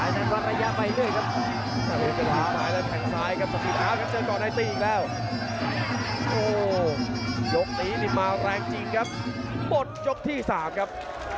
จริงบทยกที่๓ครับ